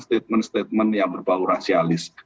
statement statement yang berbau rasialis